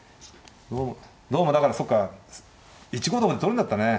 どうもだからそうか１五とかで取るんだったね。